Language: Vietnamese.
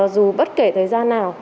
dù bất kể thời gian nào